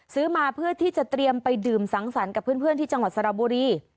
ซื้อมาเพื่อที่จะเตรียมไปดื่มสังสรรค์กับเพื่อนที่จังหวัดสระบุรี